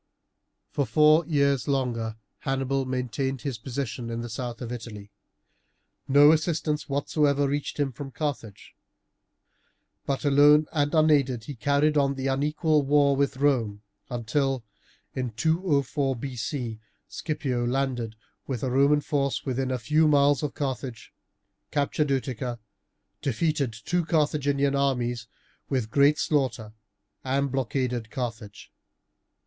For four years longer Hannibal maintained his position in the south of Italy. No assistance whatever reached him from Carthage, but alone and unaided he carried on the unequal war with Rome until, in 204 B.C., Scipio landed with a Roman force within a few miles of Carthage, captured Utica, defeated two Carthaginian armies with great slaughter, and blockaded Carthage.